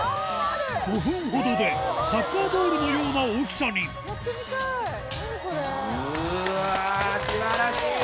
５分ほどでサッカーボールのような大きさにうわぁ！